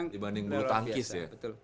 dibanding gol tangkis ya